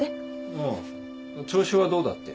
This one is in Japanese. ああ調子はどうだって。